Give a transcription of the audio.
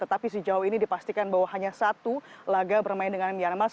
tetapi sejauh ini dipastikan bahwa hanya satu laga bermain dengan myanmar